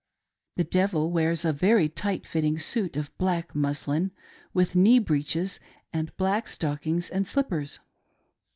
The devil wears a very tight fitting suit of black mus lin, with knee breeches and black stockings and slippers.